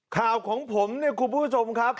ข่าวของผมเนี่ยครูผู้ชมครับ